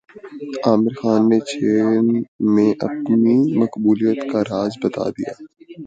عامر خان نے چین میں اپنی مقبولیت کا راز بتادیا